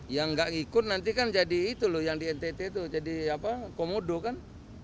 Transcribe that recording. yang nggak ngikut nanti kan jadi itu loh yang di ntt itu jadi komodo kan